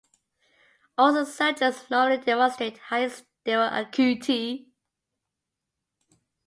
Also surgeons normally demonstrate high stereo acuity.